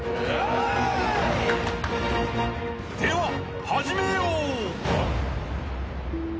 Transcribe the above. ［では始めよう！］